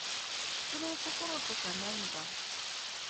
人の心とかないんか